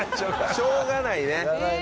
「しょうがない」ね。